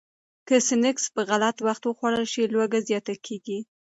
که سنکس په غلط وخت وخوړل شي، لوږه زیاته کېږي.